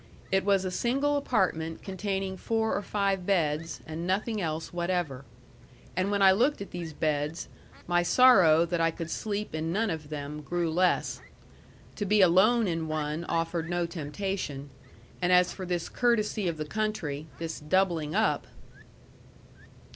It was a single apartment containing four or five beds, and nothing else whatever. And when I looked at these beds, my sorrow that I could sleep in none of them grew less. To be alone in one offered no temptation, and as for this courtesy of the country, this doubling up